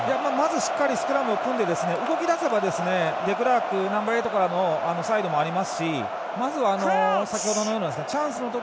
しっかりスクラムを組んで動き出せばデクラークナンバーエイトからのサイドもありますしまずは先程のようなチャンスの時